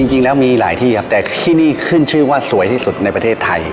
จริงแล้วมีหลายที่ครับแต่ที่นี่ขึ้นชื่อว่าสวยที่สุดในประเทศไทย